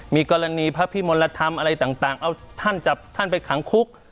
มีกรณีพระพิมลธรรมอะไรต่างเอาท่านจับท่านไปขังคุก